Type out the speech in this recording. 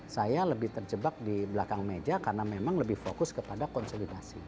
saya lebih terjebak di belakang meja karena memang lebih fokus kepada konsolidasi